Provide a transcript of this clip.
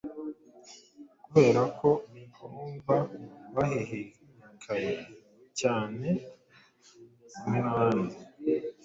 Kuberako abumva bahihikaye cyane hamwe nabandi